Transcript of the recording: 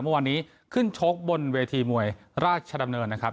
เมื่อวานนี้ขึ้นชกบนเวทีมวยราชดำเนินนะครับ